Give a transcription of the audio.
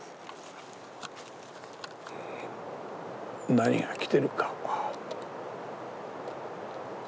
何が来てるか。